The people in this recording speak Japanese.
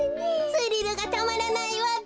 スリルがたまらないわべ。